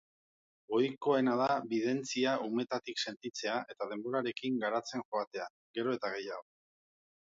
Ohikoena da bidentzia umetatik sentitzea eta denborarekin garatzen joatea, gero eta gehiago.